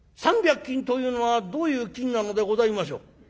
「３百金というのはどういう金なのでございましょう？」。